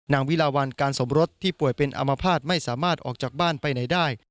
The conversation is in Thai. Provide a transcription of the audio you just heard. วิลาวันการสมรสที่ป่วยเป็นอามภาษณ์ไม่สามารถออกจากบ้านไปไหนได้